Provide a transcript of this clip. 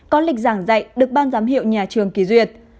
có lịch giảng dạy được ban giám hiệu nhà trường kỳ duyệt